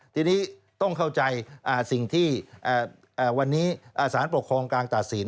ทีนี้ต้องเข้าใจสิ่งที่วันนี้สารปกครองกลางตัดสิน